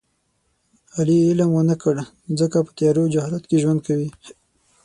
علي علم و نه کړ ځکه په تیارو او جهالت کې ژوند کوي.